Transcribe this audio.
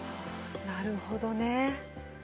なるほどね。